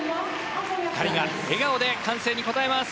２人が笑顔で歓声に応えます。